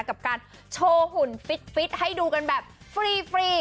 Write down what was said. กับการโชว์หุ่นฟิตให้ดูกันแบบฟรี